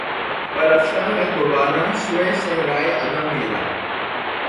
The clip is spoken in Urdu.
پرافشاں ہے غبار آں سوئے صحرائے عدم میرا